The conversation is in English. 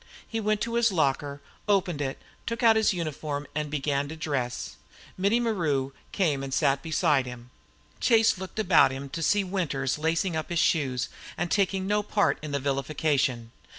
He went to his locker, opened it, took out his uniform, and began to undress. Mittie Maru came and sat beside him. Chase looked about him to see Winters lacing up his shoes and taking no part in the vilification.